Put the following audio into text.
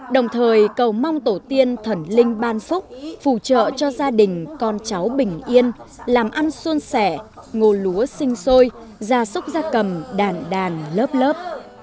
đồng thời cầu mong tổ tiên thần linh ban phúc phù trợ cho gia đình con cháu bình yên làm ăn xuân sẻ ngô lúa xinh xôi ra súc ra cầm đàn đàn lớp lớp